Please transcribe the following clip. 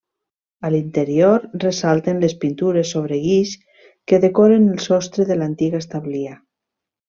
A l'interior ressalten les pintures sobre guix que decoren el sostre de l'antiga establia.